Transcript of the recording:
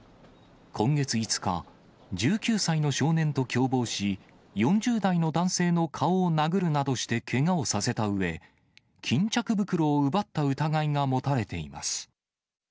今月５日、１９歳の少年と共謀し、４０代の男性の顔を殴るなどしてけがをさせたうえ、巾着袋を奪った疑いが持たれています。